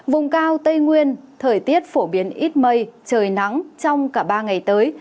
vùng cao tây nguyên thời tiết phổ biến ít mây trời nắng trong cả ba ngày tới